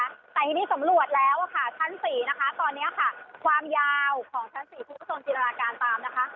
แต่ทีนี้สำรวจแล้วค่ะชั้น๔นะคะตอนนี้ค่ะความยาวของชั้น๔คุณผู้ชมจินตนาการตามนะคะ